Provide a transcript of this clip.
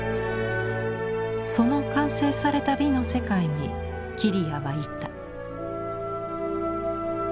その完成された美の世界に紀里谷はいた。